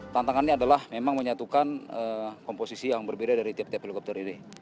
tantangannya adalah memang menyatukan komposisi yang berbeda dari tiap tiap helikopter ini